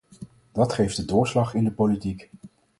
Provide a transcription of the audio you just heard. Dat geeft de doorslag in de politiek.